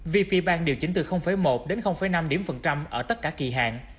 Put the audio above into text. vp bank điều chỉnh từ một đến năm ở tất cả kỳ hàng